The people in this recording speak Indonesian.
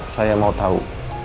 saya mau tau